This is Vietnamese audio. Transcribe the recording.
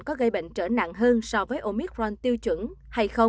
có gây bệnh trở nặng hơn so với omicron tiêu chuẩn hay không